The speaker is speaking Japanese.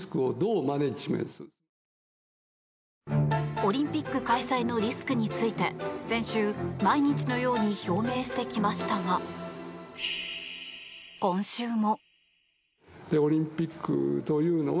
オリンピック開催のリスクについて先週、毎日のように表明してきましたが今週も。